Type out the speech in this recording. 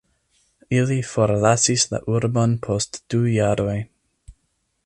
Ili forlasis la urbon post du jaroj.